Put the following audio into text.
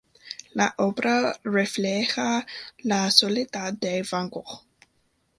La obra refleja la soledad de Van Gogh.